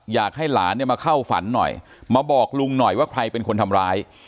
อยากให้หลานเนี่ยมาเข้าฝันหน่อยมาบอกลุงหน่อยว่าใครเป็นคนทำร้าย